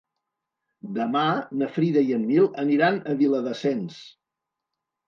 Demà na Frida i en Nil aniran a Viladasens.